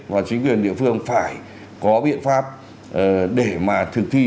và chính quyền địa phương phải có biện pháp để mà thực thi